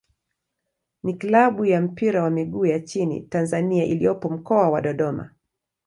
ni klabu ya mpira wa miguu ya nchini Tanzania iliyopo Mkoa wa Dodoma.